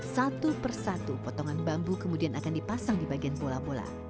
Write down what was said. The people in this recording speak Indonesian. satu persatu potongan bambu kemudian akan dipasang di bagian bola bola